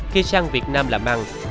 khi sang việt nam làm ăn